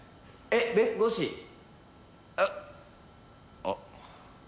えっ？あっ。